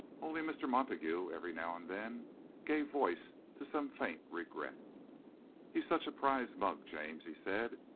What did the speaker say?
Only Mr. Montague, every now and then, gave voice to some faint regret. "He's such a prize mug, James," he said.